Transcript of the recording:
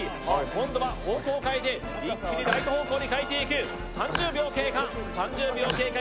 今度は方向を変えて一気にライト方向に変えていく３０秒経過３０秒経過